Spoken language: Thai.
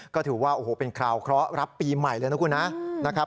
ก็ถือว่าโอ้โหเป็นคราวเคราะห์รับปีใหม่เลยนะคุณนะนะครับ